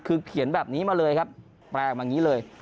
คือเขียนแบบนี้มาเลยครับแปลออกมาอย่างนี้เลย